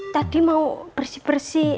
tadi mau bersih bersih